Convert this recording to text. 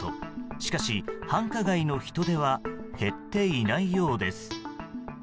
しかし繁華街の人出は減っていないようです。